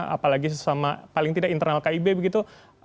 apalagi sesama paling tidak internal kib begitu